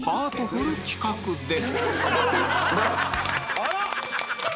あら！